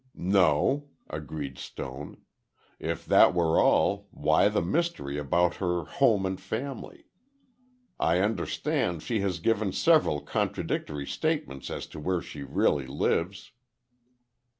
"No," agreed Stone. "If that were all, why the mystery about her home and family? I understand she has given several contradictory statements as to where she really lives."